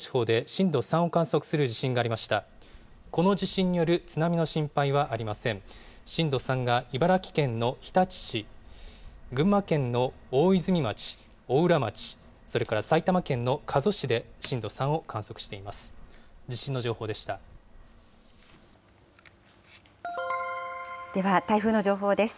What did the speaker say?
震度３が茨城県の日立市、群馬県の大泉町、邑楽町、それから埼玉県の加須市で、震度３を観測しています。